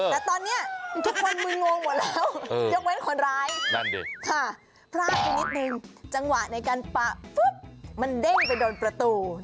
แต่ตอนนี้ทุกคนมึงงงหมดแล้วยกเว้นคนร้ายนั่นดิค่ะพลาดไปนิดนึงจังหวะในการปะปุ๊บมันเด้งไปโดนประตู